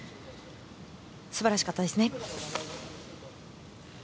素晴らしかったですね。